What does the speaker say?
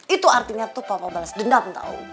itu artinya tuh papa balas dendam tahu